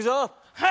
はい！